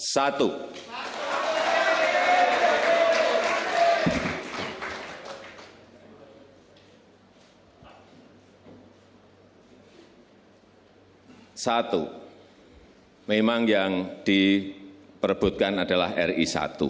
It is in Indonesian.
satu memang yang diperebutkan adalah ri satu